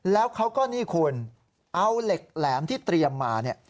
แล้วเขาก็นี่คุณเอาเหล็กแหลมที่เตรียมมาเนี่ย